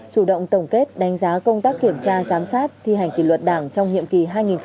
chủ động tổng kết đánh giá công tác kiểm tra giám sát thi hành kỷ luật đảng trong nhiệm kỳ hai nghìn một mươi năm hai nghìn hai mươi